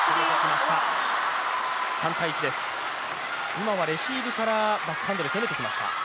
今はレシーブからバックハンドで攻めてきました。